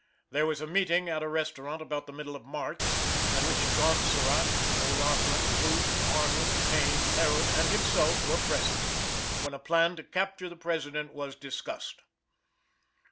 There was a meeting at a restaurant about the middle of March, at which John Surratt, O'Laughlin, Booth, Arnold, Payne, Harold and himself were present, when a plan to capture the President was discussed.